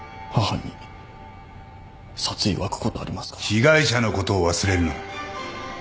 被害者のことを忘れるな。